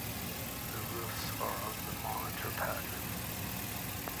The roofs are of the monitor pattern.